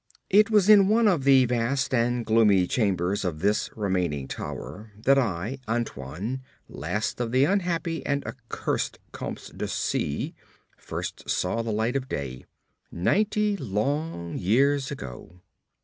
It was in one of the vast and gloomy chambers of this remaining tower that I, Antoine, last of the unhappy and accursed Comtes de C——, first saw the light of day, ninety long years ago.